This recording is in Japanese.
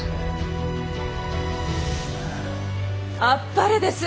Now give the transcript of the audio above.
あっぱれです！